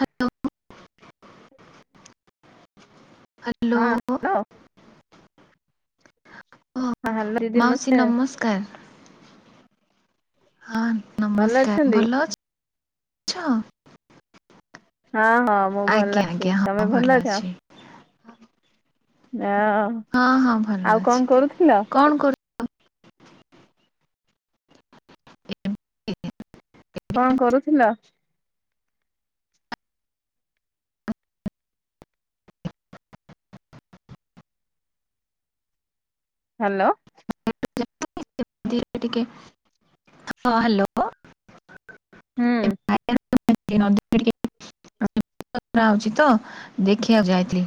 Hello. Hello. ଓ ହଁ hello ଦିଦି ମାଉସୀ ନମସ୍କାର। ହଁ ଭଲ ନମସ୍କାର ଅଛନ୍ତି? ଭଲ ଅଛ? ହଁ ହଁ ମୁଁ ଭଲ ଆଜ୍ଞା ଅଛି ଆଜ୍ଞା ହଁ ତମେ ଭଲ ଅଛ, ଅଛି। ଅ। ହଁ ହଁ ଭଲ ଆଉ କଁ ଅଛି କରୁଥିଲ? କଣ [unintelligible] କଁ କରୁଥିଲ? ହ୍ୟାଲୋ। ଏମତି ଏ ଟିକେ ହଁ ହ୍ୟାଲୋ। ହୁଁ। [unintelligible] [unintelligible] ହୋଉଚି ତ ଦେଖି ଆକୁ ଯାଇଥିଲି।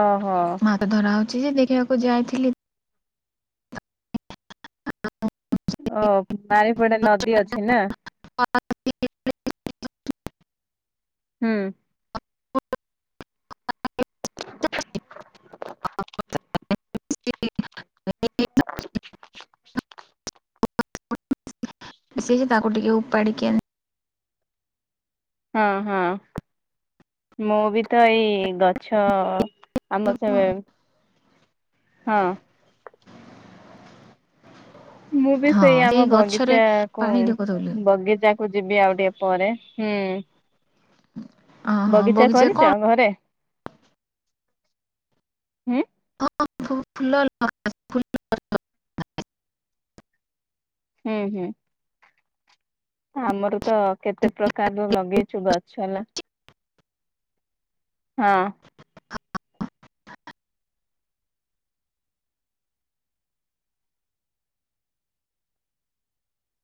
ଓହୋ। ମାଛ ଧରା ହଉଛି ଯେ ଦେଖିବାକୁ ଯାଇଥିଲି। ଓ ବାରିପଡେ ନଦୀ ଅଛି ନା। [unintelligible] ହୁଁ। [unintelligible] [unintelligible] ତାକୁଟିକିଏ ଉପାଡିକି ଆଣି ହଁ, ହଁ, ମୁଁ ବି ତ ଏଇ ଗଛ ଆମ ସେ ହଁ ମୁଁ ବି ହଁ ସେଇ ଆମ ଗଛରେ ବଗିଚା କୂ ପାଣି ଦେଖୁଥିଲି ବଗିଚା କୁ ଯିବି ଆଉ ଟିକେ ପରେ, ହୁଁ। ଓହୋ ବଗିଚା କରିଚ କଣ ଘରେ? ହୁଁ। [unintelligible] ହୁଁ ହୁଁ। ଆମର ତ କେତେ ପ୍ରକାର ର ଲଗେଇଛୁ ଗଛ ହେଲା। ହଁ।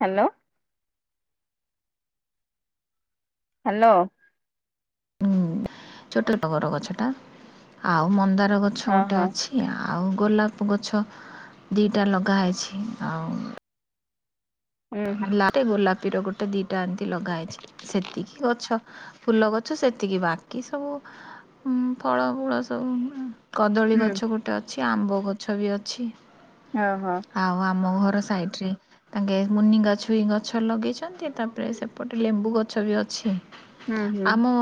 ହାଲୋ। ହାଲୋ। ଉଁ, ଛୋଟ ଟଗର ଗଛଟା, ଆଉ ମନ୍ଦାର ଗଛ ହଁ ଗୋଟେ ହଁ ଅଛି। ଆଉ ଗୋଲାପ ଗଛ ଦିଟା ଲଗା ହେଇଛି, ଆଉ ହୁଁ ଲାରେ ଗୋଲାପୀର ଗୋଟେ ଦିଟା ଏମ୍ ତି ଲଗା ହେଇଚି, ସେତିକି ଗଛ ଫୁଲ ଗଛ ସେତିକି, ବାକି ସବୁ ଫଳ ମୂଳ ସବୁ କଦଳୀ ହୁଁ ଗଛ ଗୋଟେ ଅଛି, ଆମ୍ବ ଗଛ ବି ଅଛି। ଅ ହ। ଆଉ ଆମ ଘର ସାଇଟରେ, ତାଙ୍କେ ମୁନିଙ୍ଗ ଛୁଇଁ ଗଛ ଲଗେଇଛନ୍ତି, ତାପରେ ସେପଟେ ଲେମ୍ବୁ ଗଛ ବି ଅଛି। ହୁଁ ହୁଁ ଆମ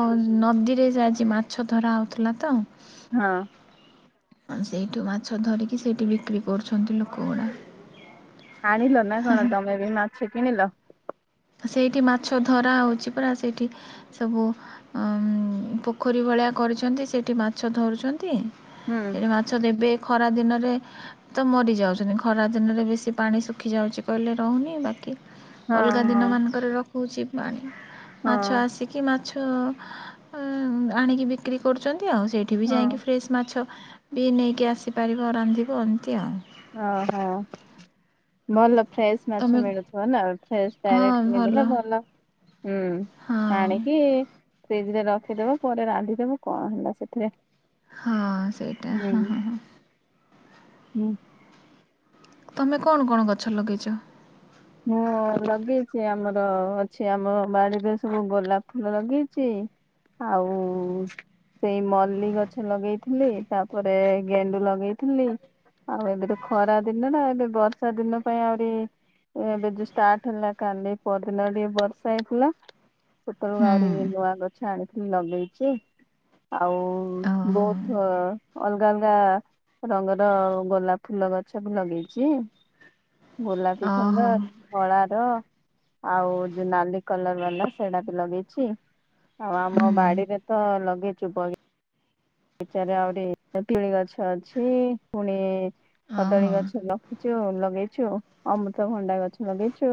ନଦୀରେ ଯେ ଆଜି ମାଛ ଧରା ହଉଥିଲା ତ ହଁ। ସେଇଠୁ ମାଛ ଧରିକି, ସେଇଠି ବିକ୍ରି କରୁଛନ୍ତି ଲୋକ ଗୁଡ଼ା। ଆଣିଲ ନା କଣ, ତମେ ବି ମାଛ କିଣିଲ? ସେଇଠି ମାଛ ଧରା ହେଉଛି ପରା, ସେଇଠି ସବୁ ପୋଖରୀ ଭଳିଆ କରିଚନ୍ତି, ସେଇଠି ମାଛ ଧରୁଚନ୍ତି। ହୁଁ ସେଠି ମାଛ ଦେବେ, ଖରା ଦିନରେ ତ ମରି ଯାଉଚନ୍ତି, ଖରା ଦିନରେ ବେଶୀ ପାଣି ଶୁଖି ଯାଉଚି କହିଲେ ରହୁନି, ବାକି ହଁ ବର୍ଷା ଦିନ ହଁ ମାନଙ୍କରେ ରଖୁଛି ପାଣି, ହଁ ମାଛ ଆସି କି ମାଛ ଆଣିକି ବିକ୍ରି କରୁଛନ୍ତି ଆଉ, ସେଇଠି ବି ହଁ ଯାଇକି ଫ୍ରେଶ୍ ମାଛ ବି ନେଇକି ଆସି ପାରିବ, ରାନ୍ଧିବ ଏମିତି ଆଉ। ଓ ହୋ। ଭଲ ଫ୍ରେଶ ମାଛ ତମେ ମିଳୁଥିବ ନା, ଫ୍ରେଶ ଡାଇରେକ୍ଟ କିଣିଦଲେ ଭଲ। ହୁଁ, ହଁ ଆଣିକି ଫ୍ରିଜ ରେ ରଖିଦବ, ପରେ ରାନ୍ଧିଦବ, କଣ ହେଲା ସେଥିରେ? ହଁ ସେଇଟା, ହୁଁ ହଁ ହଁ ହଁ। ହୁଁ। ତମେ କଣ କଣ ଗଛ ଲଗେଇଛ? ମୁଁ ଲଗେଇଚି ଆମର, ଅଛି ଆମ ବାଡିରେ ସବୁ ଗୋଲାପ ଫୁଲ ଲଗେଇଚି ଆଉ ସେଇ ମଲ୍ଲି ଗଛ ଲଗେଇଥିଲି, ତାପରେ ଗେଣ୍ଡୁ ଲଗେଇଥିଲି। ଆଉ ଏବେ ତ ଖରା ଦିନ ଟା, ଏବେ ବର୍ଷା ଦିନ ପାଇଁ ଆହୁରି ଏବେ ଯୋଉ ଷ୍ଟାର୍ଟ ହେଲା, କାଲି ପଅରି ଟିକେ ବର୍ଷା ହେଇଥିଲା। ସେତେବେଳକୁ ହୁଁ ଆହୁରି ନୂଆ ଗଛ ଆଣିଥିଲି ଲଗେଇଚି। ଆଉ ଓହୋ ବହୁତ ଅଲଗା ଅଲଗା ରଙ୍ଗର ଗୋଲାପ ଫୁଲ ଗଛ ବି ଲଗେଇଚି, ଗୋଲାପ ଓହୋ ସୁନ୍ଦର ଧଳା ର, ଆଉ ଯୋଉ ନାଲି କଲର ବାଲା ସେଇଟା ବି ଲଗେଇଚି ଆଉ ଆମ ହୁଁ ବାଡିରେ ତ ଲଗେଇଚୁ ପରି ଏଚାରେ ଆହୁରି ତେନ୍ତୁଳି ଗଛ ଅଛି, ପୁଣି କଦଳୀ ଓହୋ ଗଛ ଲଖିଛୁ, ଲଗେଇଚୁ, ଅମୃତଭଣ୍ଡା ଗଛ ଲଗେଇଚୁ।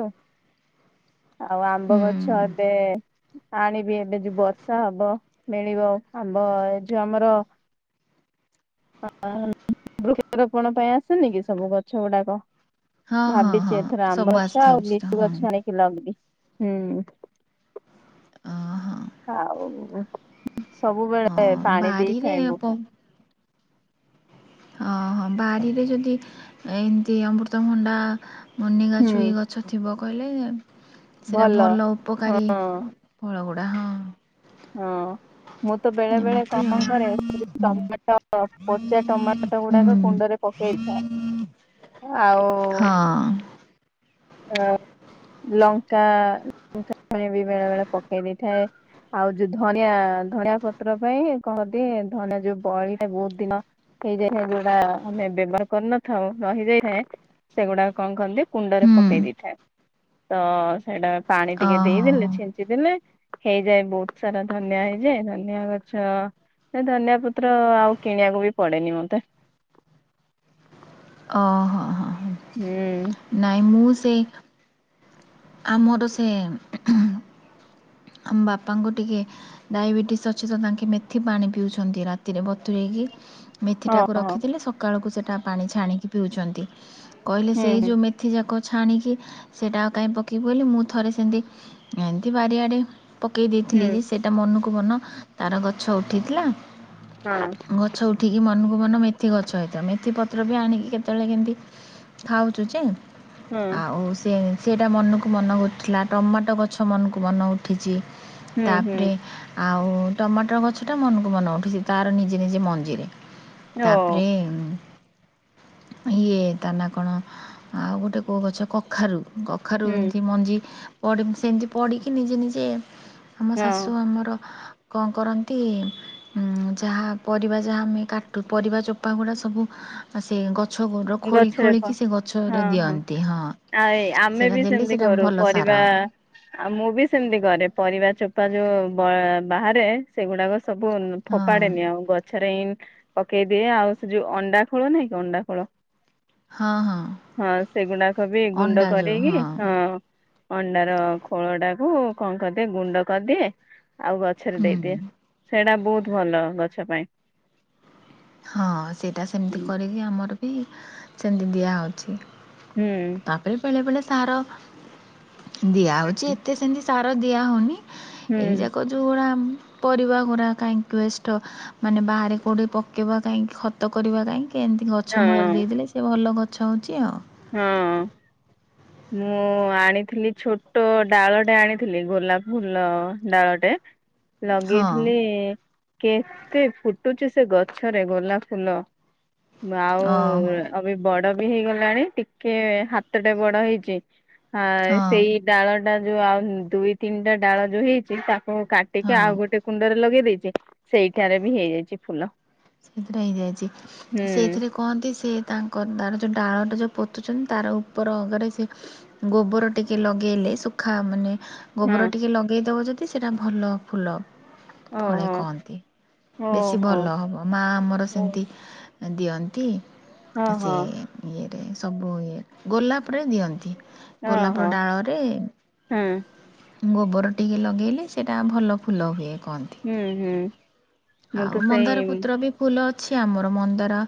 ଆଉ ଆମ୍ବ ହୁଁ ଗଛ ଏବେ ଆଣିବି ଏବେ ଯୋଉ ବର୍ଷା ହବ ମିଳିବ ଆମ୍ବ ଏ ଯୋଉ ଆମର ବୃକ୍ଷରୋପଣ ପାଇଁ ଆସେନି କି ସବୁ ଗଛ ଗୁଡାକ ହଁ ହଁ ଭାବିଛି ହଁ ଏଥର ସବୁ ଆମ୍ବ ଗଛ ଆଉ ଆସିଥାଉଛି ତ ଲିଚୁ ହଁ ଗଛ ଆନିକି ଲହେଇବି ହୁଁ ଓହୋ ଆଉ ହଁ ସବୁବେଳେ ପାଣି ବାରିରେ ଦେଇଥାଏ ମୁ ପ ପା ହଁ ହଁ ବାରିରେ ଯଦି ଏମିତି ଅମୃତଭଣ୍ଡା ମନିଗଛ ହୁଁ ଛୁଇ ଗଛ ଥିବ କହିଲେ ସେଇଟା ଭଲ ଉପକାରୀ ହଁ ଫଳଗୁଡ଼ା ହଁ ହଁ ମୁଁ ତ ବେଳେ ବେଳେ ଏମିତି କଣ ଆଉ କରେ ହୁଁ ଟମାଟୋ ପଚା ଟମାଟୋ ହୁଁ ଗୁଡାକ କୁଣ୍ଡରେ ପକେଇଥାଏ ଆଉ ହଁ ଅ ଲଙ୍କା ଲଙ୍କାଣି ବି ବେଳେ ବେଳେ ପକେଇ ଦେଇଥାଏ ଆଉ ଯୋଉ ଧନିଆ ଧନିଆ ପତ୍ର ପାଇଁ କହନ୍ତି ଧନିଆ ଯୋଉ ବଳିଟା ବହୁତ ଦିନ ହେଇଯାଇଥାଏ ଯୋଉଟା ଆମେ ବ୍ୟବହାର କରିନଥାଉ ନ ରହିଯାଇଥାଏ ସେଗୁଡା କଣ କରନ୍ତି କୁଣ୍ଡରେ ହୁଁ ପକେଇ ଦେଇଥାଏ ତ ସେଇଟା ପାଣି ଟିକେ ଓହୋ ଦେଇଦେଲେ ହୋ ଛିଞ୍ଚିଦଲେ ହେଇଯାଏ ବହୁତ ସାରା ଧନିଆ ହେଇଯାଏ ଧନିଆ ଗଛ ଏ ଧନିଆ ପତ୍ର ଆଉ କିଣିବାକୁ ବି ପଡେନି ମତେ ଓ ହୋ ହଁ ହଁ ହୁଁ ନାଇଁ ମୁଁ ସେ ଆମର ସିଏ। ଆମ ବାପାଙ୍କୁ ଟିକେ। ଡାଇବେଟିସ୍ ଅଛିତ ତାଙ୍କେ ମେଥି ପାଣି ପିଉଛନ୍ତି ରାତିରେ ବତୁରେଇକି ହଁ ମେଥିଟାକୁ ହଁ ରଖିଥିଲେ ସକାଳକୁ ସେଇଟା ପାଣି ଛାଣିକି ପିଉଛନ୍ତି କହିଲେ ସେଇ ହୁଁ ଯେଉଁ ମେଥିଯାକ ଛାଣିକି ସେଇଟା କାଇହିଁ ପକେଇବି ବୋଲି ମୁଁ ଥରେ ସେମିତି ଏମିତି ବାରିଆଡେ ପକେଇ ହୁଁ ଦେଇଥିଲି ହୁଁ ଯେ ସେଇଟା ମନକୁ ମନ ତାର ଗଛ ଉଠିଥିଲା ହଁ ଗଛ ଉଠିକି ମନକୁ ମନ ମେଥି ଗଛ ହୋଇଥିଲା ମେଥିପତ୍ର ବି ଆଣିକି କେତେବେଳେ କେମିତି ଖାଉଛୁ ଯେ। ହୁଁ ଆଉ ସେ ସେଇଟା ମନକୁ ମନ ହଉଥିଲା ଟମାଟୋ ଗଛ ମନକୁ ମନ ହଉଥିଲା। ଉଠିଛି ହୁଁ ହୁଁ ତାପରେ। ଆଉ ଟମାଟର ଗଛଟା ମନକୁ ମନ ଉଠିଛି ତାର ନିଜେ ନିଜେ ମଞ୍ଜିରେ। ଓ ତାପରେ ଇଏ ତା ନା କଣ ଆଉ ଗୋଟେ କେଉଁ ଗଛ କଖାରୁ କଖାରୁ ହୁଁ ଏମିତି ମଞ୍ଜି। ସେମିତି ପଢିକି ନିଜେ ନିଜେ ଆମ ଶାଶୁ ହଁ ଆମର। କଣ କରନ୍ତି। ଉଁ ଯାହା ପରିବା ଯାହା ଆମେ କାଟୁ ପରିବା ଚୋପା ଗୁଡା ସବୁ ସେ ଗଛ। ଗଛ ଖୋଳି ଗଛରେ ପ ଖୋଳିକି ସେ ଗଛ। ହଁ ହଁ ଆଉ ଏଇ ଆମେ ସେଇଟା ବି ଦେଲେ ସେମିତି ସେଇଟା କରୁ ଭଲ ସାର ପରିବା। ଆଉ ମୁଁ ବି ସେମିତି କରେ ପରିବା ଚୋପା ଯୋଉ ବାହାରେ। ସେଗୁଡାକ ସବୁ ହଁ ଫୋପାଡେନି ଆଉ ଗଛ। ରେ ପକେଇଦିଏ ଆଉ ସେ ଯୋଉ ଅଣ୍ଡା ଖୋଳ ନାଇଁ କି ଅଣ୍ଡା ଖୋଳ। ହଁ ହଁ। ହଁ ସେଗୁଡାକ ବି ଗୁଣ୍ଡ ଅଣ୍ଡା ଯୋଉ କରିକି ହଁ। ଅଣ୍ଡାର ଖୋଳ ଟାକୁ କଣ କରିଦିଏ ଗୁଣ୍ଡ କରିଦିଏ ଆଉ ଗଛରେ ହୁଁ ଦେଇଦିଏ। ସେଇଟା ବହୁତ ଭଲ ଗଛ ପାଇଁ। ହଁ ସେଇଟା ସେମିତି ହୁଁ କରିକି ଆମର ବି ସେମିତି ଦିଆହେଉଛି। ହୁଁ। ତାପରେ ବେଳେ ବେଳେ ସାର ଦିଆହଉଛି ଏତେ ସେମିତି ସାର ଦିଆହଉନି। ହୁଁ ଏଇଯାକ ଯୋଉଡା ପରିବା ଗୁଡା କାଇ ୱଷ୍ଟ ମାନେ ବାହାରେ କଉଠି ପ। ପକେଇବା କାହିଁକି ଖତ କରିବା କାହିଁକି ଏମିତି ଗଛ ମୂଳରେ ହଁ ଦେଇଦେଲେ ସେ ଭଲ ଗଛ ହେଉଛି ଆଉ। ହଁ। ମୁଁ ଆଣିଥିଲି ଛୋଟ ଡାଳଟେ ଆଣିଥିଲି ଗୋଲାପ ଫୁଲ ଡାଳଟେ। [unintelligible] ହଁ ଲଗେଇଥିଲି କେତେ ଫୁଟୁଛି ସେ ଗଛରେ ଗୋଲାପ ଫୁଲ। ଆଉ ଓହୋ ଅ ବି ବଡ ବି ହେଇଗଲାଣି। ଟିକେ ହାତଟେ ବଡ ହେଇଛି ଆ ହଁ ସେଇ ଡାଳ। ଟା ଯୋଉ ଆଉ ଦୁଇ, ତିନିଟା ଡାଳ ଯୋଉ ହେଇଛି ତା। କୁ କାଟିକି ହଁ ଆଉ ଗୋଟେ କୁଣ୍ଡରେ ଲଗେଇ ଦେଇଛି ସେଇଠାରେ ବି ହେଇଯାଇଛି ଫୁଲ। ସେଇଥିରେ ହେଇଯାଇଛି ହୁଁ ସେଇଥିରେ। କୁହନ୍ତି ସେ ତାଙ୍କ ତାର ଯେଉଁ ଡାଳଟା ଯେଉଁ ପୋତୁଛନ୍ତି ତାର ଉପର ଅଗରେ ସେ। ଗୋବର ଟିକେ ଲଗେଇଲେ ଶୁଖା ମାନେ। ଗୋବର ହଁ ଟିକେ ଲଗେଇଦବ ଯଦି ସେଇଟା ଭଲ ଫୁଲ। ଫଳେ ଓହୋ କହନ୍ତି ବେଶୀ ଓହୋ ଭଲ ହବ। ମା ଆମର ଓ ସେମିତି ଦିଅନ୍ତି ହଁ ସେ। ହଁ ଇଏରେ ସବୁ ଇଏରେ। ଗୋଲାପରେ ଦିଅନ୍ତି ଗୋଲାପର ଓହୋ ଡାଳରେ। ହଁ ଗୋବର ଟିକେ ଲଗେଇଲେ ସେଇଟା ଭଲ ଫୁଲ ହୁଏ କୁହନ୍ତି। ହୁଁ ହୁଁ। ମୁଁ ଆଉ ତ ମନ୍ଦାର ସେଇ ପତ୍ର ବି ଫୁଲ ଅଛି ଆମର ମନ୍ଦାର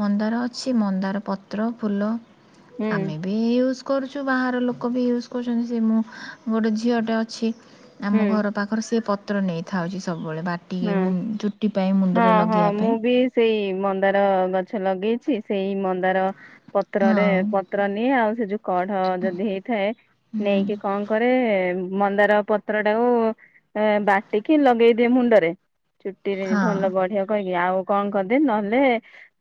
ମନ୍ଦାର ଅଛି ମନ୍ଦାର ପତ୍ର ଫୁଲ। ହୁଁ ଆମେ ବି ୟୁଜ। କରୁଛୁ ବାହାର ଲୋକ ବି ୟୁଜ୍ କରୁଛନ୍ତି ସେ ମୁଁ ଗୋଟେ ଝିଅଟେ ଅଛି ହୁଁ ଆମ ଘର। ପାଖରେ ସେ ପତ୍ର ନେଇଖାଉଛି ସବୁବେଳେ ବାଟିକି ହଁ ମୁଁ ଚୁଟି ପାଇଁ ହଁ ମୁଣ୍ଡରେ ହଁ ଲଗେଇବା ମୁଁ ପାଇଁ। ବି ସେଇ ମନ୍ଦାର ଗଛ ଲଗେଇଛି ସେଇ ମନ୍ଦାର ପତ୍ରରେ ହଁ ପ। ପତ୍ର ନିଏ ଆଉ ସେ ଯଉ କଢ ଯଦି ହେଇଥାଏ। ହୁଁ ନେଇକି କଣ କରେ ମନ୍ଦାର ପତ୍ର ଟାକୁ। ବାଟିକି ଲଗେଇଦିଏ ମୁଣ୍ଡରେ ଚୁଟିରେ ହଁ ଭଲ ବଢିବ କହିକି ଆଉ। କଣ କରିଦେ ନହେଲେ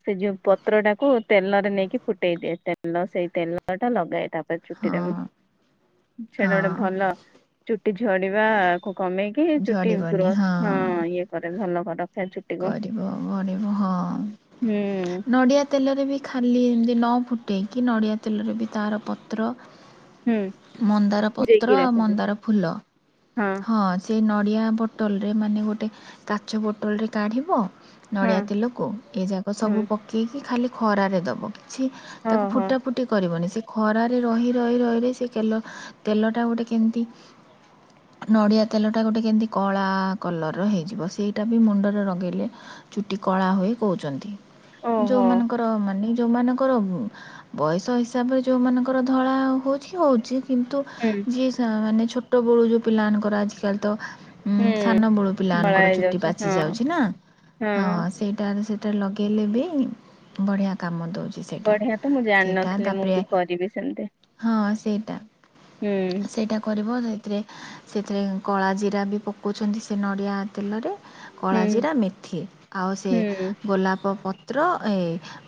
ସେ ଯଉ ପତ୍ରଟାକୁ ତେଲରେ ନେଇକି ଫୁଟେଇ ଦିଏ ତେଲ ସେଇ ତେଲ ଟା ଲଗାଏ ତା ଛୁଟି ଟା ମୁଁ ହଁ ସେଟା ଗୋଟେ ଭଲ ହଁ ଚୁଟି ଝଡିବାକୁୁ କମେଇକି ଚୁଟି ଝଡ଼ିବନି ହଁ ଗ୍ରୋଥ ହଁ ଇଏ କରେ ଭଲ ରଖେ ଚୁଟି। କରିବ, ହରିବ ହଁ ହୁଁ। ନଡ଼ିଆ ତେଲରେ ବି ଖାଲି ଏମିତି ନ ଫୁଟାଇକି ନଡ଼ିଆ ତେଲରେ ବି ତାର ପତ୍ର ହୁଁ ମନ୍ଦାର ଭିଜେଇକି ପତ୍ର ଆଉ ରଖିଦେ ମନ୍ଦାର ଫୁଲ। ହଁ। ହଁ ସେ ନଡ଼ିଆ ବୋତଲଟେ ମାନେ ଗୋଟେ କାଚ ବୋତଲଟେ କାଢ଼ିବ। ହଁ ନଡ଼ିଆ ତେଲକୁ ଏ ଯାକ ହୁଁ ସବୁ ପକେଇକି ଖାଲି ଖରାରେ ଦେବ କିଛି ହଁ ତାକୁ ହଁ ଫୁଟା ଫୁଟି ରୁଟି କରିବନି ସେ ଖରାରେ ରହି ରହି ରହିରେ ସେ ତେଲ ତେଲଟା ଗୋଟେ କେମିତି ନଡ଼ିଆ ତେଲଟା ଗୋଟେ କେମିତି କଳା କଲରର ହେଇଯିବ ସେଇଟା ବି ମୁଣ୍ଡରେ ଲଗେଇଲେ ଚୁଟି କଳା ହୁଏ କହୁଛନ୍ତି ଓହୋ ଯୋଉମାନଙ୍କର ମାନେ ଯୋଉମାନଙ୍କର ବୟସ ହିସାବରେ ଯୋଉମାନଙ୍କର ଧଳା ହଉଛି ହଉଛି କିନ୍ତୁ ହୁଁ। ଯ ମାନେ ଛୋଟ ବଳୁ ଯୋଉ ପିଲାମାନଙ୍କର ଆଜିକାଲି ତ ଉଁ ହୁଁ ସାନ ବଡ ପିଲା ଧଳା ମାନଙ୍କର ଚୁଟି ହେଇଯାଉଛି ପାଚି ହଁ ଯାଉଛି ନା ହଁ ସେଇଟାରେ ସେ ସେଟା ଲଗାଇଲେ ବି ବଢ଼ିଆ କାମ ଦେଉଛି। ସେଇଟା ବଢିଆ ତ ମୁଁ ସେଇଟା ଜାଣିନଥିଲି ମୁଁ ତା'ପରେ ବି କରିବି ସେମତି। ହଁ ସେଇଟା ସେଇଟା କରିବ ସେଥିରେ ସେଥିରେ କଳା ଜିରା ବି ପକଉଛନ୍ତି ସେ ନଡ଼ିଆ ତେଲରେ। କଳା ହୁଁ ଜିରା, ମେଥି ଆଉ ସେ ହୁଁ ଗୋଲାପ ପତ୍ର ଏ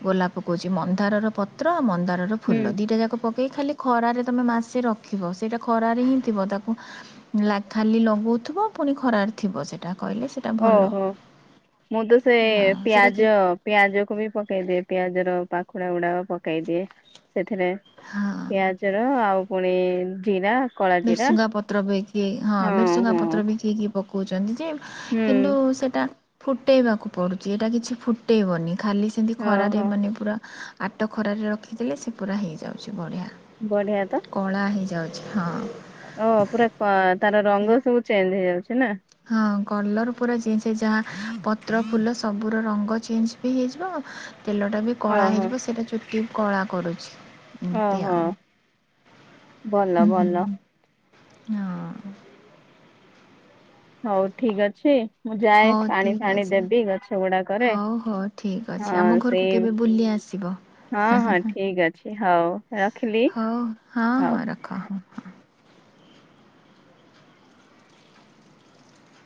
ଗୋଲାପ କହୁଛି ମନ୍ଦାରର ପତ୍ର ମନ୍ଦାରର ଫୁଲ ହୁଁ ଦିଟା ଯାକ ଖାଲି ଖରାରେ ତମେ ମାସେ ରଖିବ ସେଇଟା ଖରାରେ ହିଁ ଥିବ ତାକୁ ଖାଲି ଲଗଉଥିବ ପୁଣି ଖରାରେ ଥିବ ସେଟା କହିଲେ ସେଇଟା ଭଲ ଓହୋ ମୁଁ ତ ସେ ହଁ ସେଇଟା କି ପିଆଜ ପିଆଜକୁ ବି ପକେଇ ଦିଏ ପିଆଜର ପାଖୁଡା ଗୁଡାକ ପକେଇଦିଏ। ସେଥିରେ ହଁ ପିଆଜ ର ଆଉ ପୁଣି ଜିରା କଳା ଜିରା ମିର୍ସୁଙ୍ଗା ପତ୍ର ବିକି ହଁ ମିରସୁଙ୍ଗା ପତ୍ର ବିକ କିି ପ ଉଛନ୍ତି ଯେ କିନ୍ତୁ ହୁଁ ସେଟା ଫୁଟେଇବାକୁ ପଡୁଛି ଏଇଟା କିଛି ଫୁଟେଇବନି ଖାଲି ସେମିତି ଖରାରେ ଓହୋ ମାନେ ପୁରା ଆପେ ଖରାରେ ରଖିଦେଲେ ସେ ପୁରା ହେଇଯାଉଛି ବଢ଼ିଆ। ବଢିଆ ତ। କଳା ହେଇଯାଉଛି ହଁ। ଓ ପୁରା ତାର ଟି ରଙ୍ଗ ସବୁ ଚେଞ୍ଜ ହେଇଯାଉଛି ନା। ହଁ କଲର ପୁରା ଚେଞ୍ଜ ହେଇଯାହା ପତ୍ର, ଫୁଲ ସବୁର ରଙ୍ଗ ଚେଞ୍ଜ। ବି ହେଇଯିବ ତେଲ ଟା ବି ହଁ କଳା ହଁ ହେଇଯିବ ସେଇଟା ଚୁଟି ବି କଳା କରୁଛି। ଏମତି ଓହୋ ଆଉ ଭଲ ହ ହଁ ଭଲ ହଁ। ହଉ ଠିକ ଅଛି। ମୁଁ ଯାଏ ହଉ ପାଣି ଠିକ୍ ଫାଣି ଅଛି। ଦେବି ଗଛ ଗୁଡାକରେ ହଉ ହଉ ହଁ ସେଇ ଶିବ ହଁ ହଁ ଠିକ ଅଛି ହଉ ରଖିଲି ହଉ। ହ ହଁ।